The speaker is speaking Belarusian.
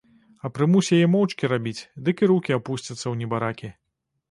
А прымусь яе моўчкі рабіць, дык і рукі апусцяцца ў небаракі.